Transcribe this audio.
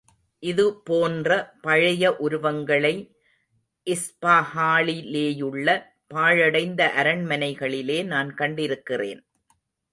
இது போன்ற பழைய உருவங்களை, இஸ்பாஹாளிலேயுள்ள பாழடைந்த அரண்மனைகளிலே நான் கண்டிருக்கிறேன்.